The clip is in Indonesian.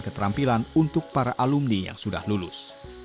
keterampilan untuk para alumni yang sudah lulus